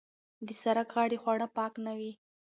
د سرک غاړې خواړه پاک نه وي.